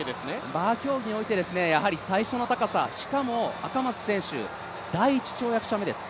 バー競技において最初の高さ、しかも赤松選手、第１跳躍者目です。